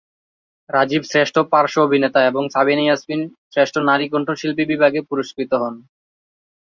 রাজীব শ্রেষ্ঠ পার্শ্ব অভিনেতা এবং সাবিনা ইয়াসমিন শ্রেষ্ঠ নারী কণ্ঠশিল্পী বিভাগে পুরস্কৃত হন।